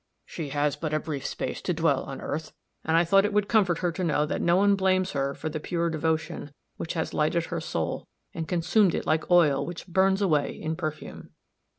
She has but a brief space to dwell on earth, and I thought it would comfort her to know that no one blames her for the pure devotion which has lighted her soul and consumed it like oil which burns away in perfume."